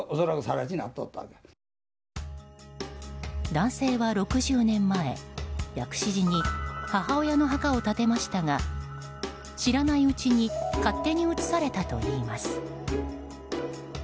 男性は６０年前、薬師寺に母親の墓を建てましたが知らないうちに勝手に移されたといいます。